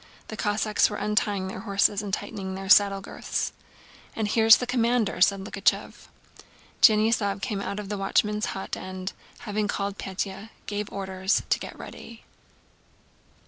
The Cossacks were untying their horses and tightening their saddle girths. "And here's the commander," said Likhachëv. Denísov came out of the watchman's hut and, having called Pétya, gave orders to get ready.